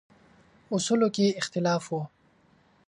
اصولو کې اختلاف و.